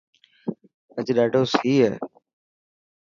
اڄ ڏاڌو سي هي.